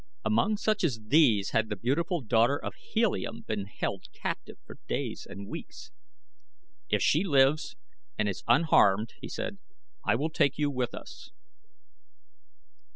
Among such as these had the beautiful daughter of Helium been held captive for days and weeks. "If she lives and is unharmed," he said, "I will take you with us."